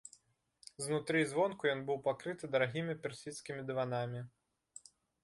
Знутры і звонку ён быў пакрыты дарагімі персідскімі дыванамі.